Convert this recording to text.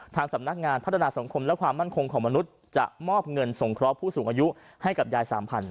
ทางสำนักงานพัฒนาสังคมและความมั่นคงของมนุษย์จะมอบเงินสงเคราะห์ผู้สูงอายุให้กับยาย๓๐๐